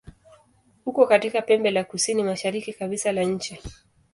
Uko katika pembe la kusini-mashariki kabisa la nchi.